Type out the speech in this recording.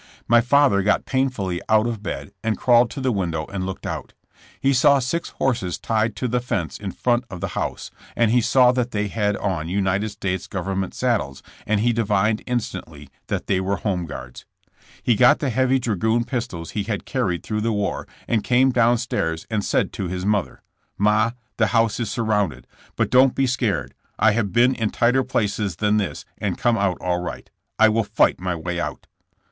My father got painfully out of bed and crawled to the window and looked out. He saw six horses tied to the fence in front of th« 66 JESS^ JAMES. house and he saw that they had on United States government saddles and he divined instantly that they were Home Guards. He got the heavy dragoon pistols he had carried through the war and came down stairs and said to his mother: ^'Ma, the house is surrounded, but don't be scared, I have been in tighter places than this and come out all right. I will fight my way out."